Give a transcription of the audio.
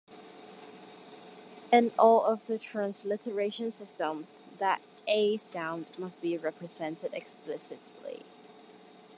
In all of the transliteration systems, that 'a' sound must be represented explicitly.